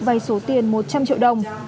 vay số tiền một trăm linh triệu đồng